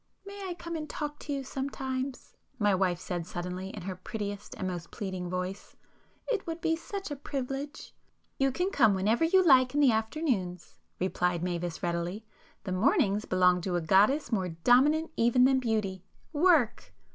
"May I come and talk to you sometimes?" my wife said suddenly, in her prettiest and most pleading voice—"It would be such a privilege!" "You can come whenever you like in the afternoons,"—replied Mavis readily—"The mornings belong to a goddess more dominant even than Beauty;—Work!"